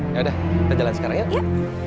yaudah kita jalan sekarang ya